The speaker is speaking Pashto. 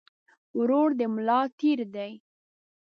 ورور د ملا تير دي